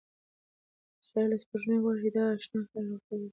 شاعر له سپوږمۍ غواړي چې د اشنا حال ورته ووایي.